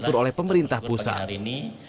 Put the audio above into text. diatur oleh pemerintah pusat